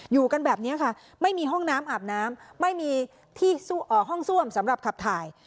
อยู่กันแบบนี้ค่ะไม่มีห้องน้ำอาบน้ำไม่มีที่ห้องซ่วมสำหรับขับถ่าย